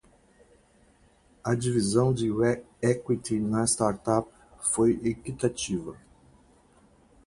A divisão de equity na startup foi equitativa.